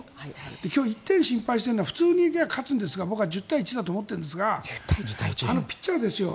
今日、１点心配しているのは普通に行けば勝つんですが僕は１０対１だと思ってるんですがピッチャーですよ